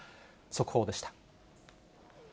速報でした。